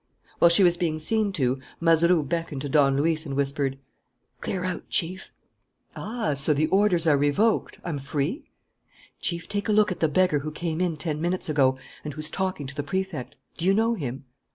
While she was being seen to, Mazeroux beckoned to Don Luis and whispered: "Clear out, Chief." "Ah, so the orders are revoked? I'm free?" "Chief, take a look at the beggar who came in ten minutes ago and who's talking to the Prefect. Do you know him?"